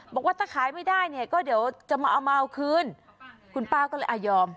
บอกว่าถ้าขายไม่ได้เนี่ยก็เดี๋ยวจะมาเอามาเอาคืนคุณป้าก็เลยอ่ะยอม